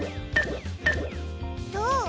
どう？